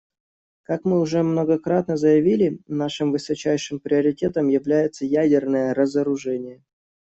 Как мы уже многократно заявляли, нашим высочайшим приоритетом остается ядерное разоружение.